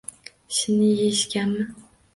Shinni yeyishgami?